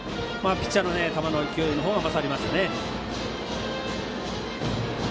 ピッチャーの球の勢いのほうが勝りましたね。